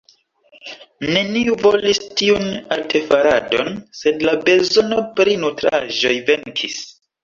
Neniu volis tiun artefaradon, sed la bezono pri nutraĵoj venkis.